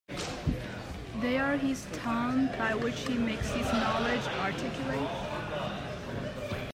They are his tongue, by which he makes his knowledge articulate.